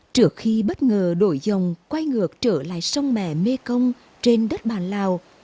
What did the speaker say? trước khi bất ngờ đổi dòng quay ngược trở lại sông mè mê công trên đất bản lào